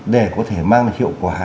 để có thể mang được hiệu quả